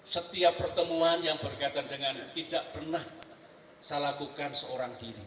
setiap pertemuan yang berkaitan dengan tidak pernah saya lakukan seorang diri